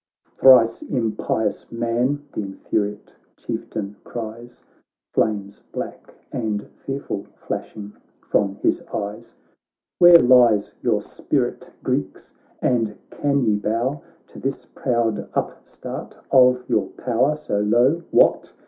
' Thrice impious man,' th' infuriate Chieftain cries (Flames black and fearful flashing from his eyes),' ' Where lies your spirit, Greeks ? and can ye bow To this proud upstart of your power so low? What!